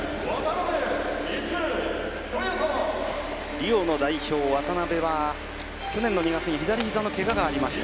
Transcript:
リオの代表、渡辺は去年の２月に左膝のけががありました。